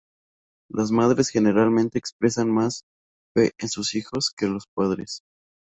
Las madres generalmente expresan más fe en sus hijos que los padres.